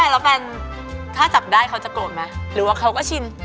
แล้วแฟนถ้าจับได้เขาจะโกรธไหมหรือว่าเขาก็ชิน